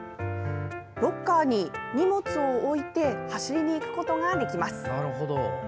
ロッカーに荷物を置いて走りに行くことができます。